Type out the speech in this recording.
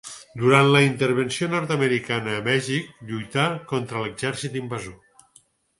Durant la Intervenció Nord-americana a Mèxic lluità contra l'exèrcit invasor.